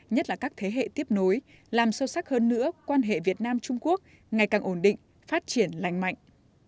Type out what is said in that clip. nhất là các thế hệ tiếp nối làm sâu sắc hơn nữa quan hệ việt nam trung quốc ngày càng ổn định phát triển lành mạnh